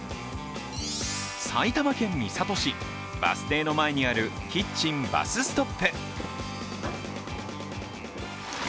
埼玉県三郷市、バス停の前にあるキッチンＢＵＳＳＴＯＰ。